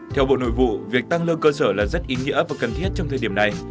theo bộ nội vụ việc tăng lương cơ sở là rất ý nghĩa và cần thiết trong thời điểm này